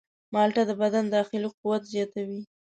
مالټه د بدن داخلي قوت زیاتوي.